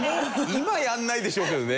今やらないでしょうけどね。